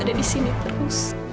nama suami ibu